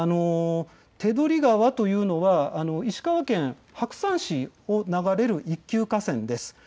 手取川というのは石川県白山市を流れる一級河川です。